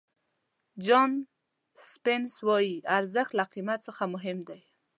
جان سپینس وایي ارزښت له قیمت څخه مهم دی.